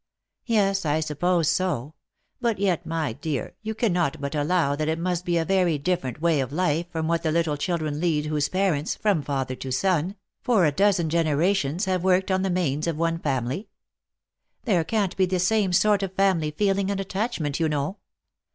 " Yes, I suppose so. But yet, my dear, you cannot but allow that it must be a very different way of life from what the little children lead whose parents, from father to son, for a dozen 'gene rations, have worked on the mains of one family. There can't be the same sort of family feeling and attachment, you know.